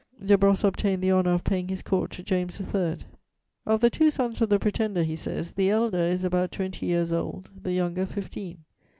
De Brosses obtained the honour of paying his court to James III.: "Of the two sons of the Pretender," he says, "the elder is about twenty years old, the younger fifteen.